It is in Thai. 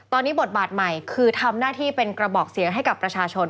ตอนนี้บทบาทใหม่คือทำหน้าที่เป็นกระบอกเสียงให้กับประชาชน